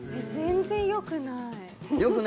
全然よくない。